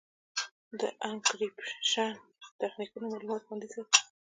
د انکریپشن تخنیکونه معلومات خوندي ساتي.